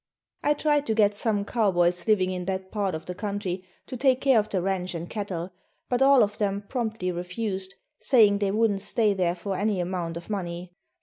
I tried to get some cowboys living in that part of the country to take care of the ranch and cattle, but all of them promptly refused, saying they wouldn't stay there for any amount of money.